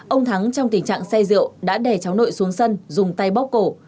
ông thắng trong tình trạng say rượu đã đè cháu nội xuống sân dùng tay bóc cổ